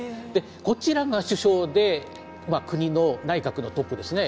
こちらが首相で国の内閣のトップですね。